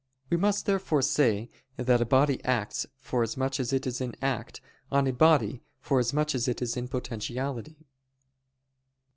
We must therefore say that a body acts forasmuch as it is in act, on a body forasmuch as it is in potentiality.